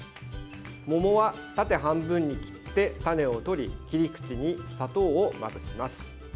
桃は、縦半分に切って種を取り切り口に砂糖をまぶします。